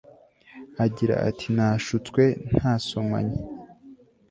agira ati nashutswe ntasomanye